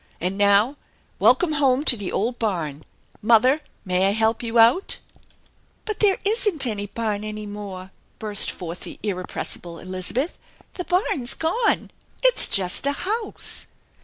And now, welcome home to the old barn! Mother, may I help you out?" 310 THE ENCHANTED BARN " But there isn't any barn any more," burst forth the irrepressible Elizabeth. " The barn's gone ! It's just a house